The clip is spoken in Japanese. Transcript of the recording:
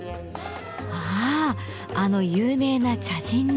ああの有名な茶人の。